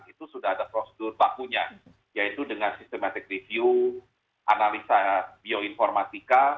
itu sudah ada prosedur bakunya yaitu dengan sistematic review analisa bioinformatika